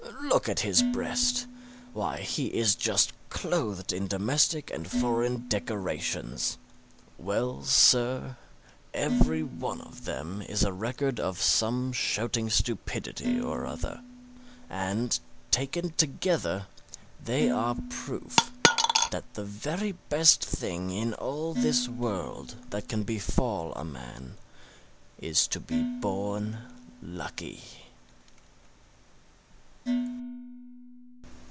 Look at his breast; why, he is just clothed in domestic and foreign decorations. Well, sir, every one of them is a record of some shouting stupidity or other; and, taken together, they are proof that the very best thing in all this world that can befall a man is to be born lucky.